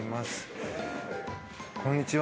こんにちは。